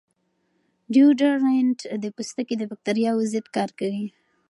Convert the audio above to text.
ډیوډرنټ د پوستکي د باکتریاوو ضد کار کوي.